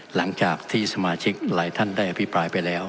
หลังจากที่สมาชิกหลายท่านได้อภิปรายไปแล้ว